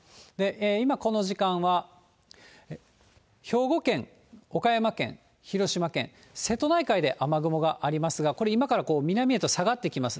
今、この時間は、兵庫県、岡山県、広島県、瀬戸内海で雨雲がありますが、これ、今から南へと下がってきます。